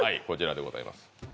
こちらでございます